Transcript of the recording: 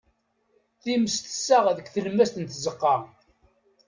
Times tessaɣ deg tlemmast n tzeqqa.